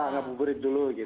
ya ngabuburit dulu gitu